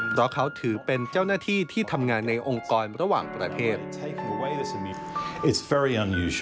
เพราะเขาถือเป็นเจ้าหน้าที่ที่ทำงานในองค์กรระหว่างประเทศ